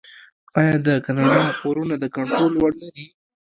آیا د کاناډا پورونه د کنټرول وړ نه دي؟